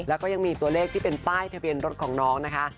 แล้วก็ยังมีตัวเลขที่เป็นป้ายทะเบียนรถของน้องนะคะ